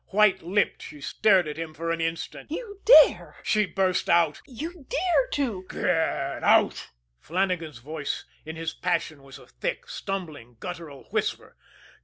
White lipped, she stared at him for an instant. "You dare," she burst out, "you dare to " "Get out!" Flannagan's voice in his passion was a thick, stumbling, guttural whisper.